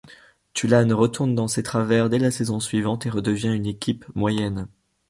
Tulane retourne dans ses travers dès la saison suivante et redevient une équipe moyenne.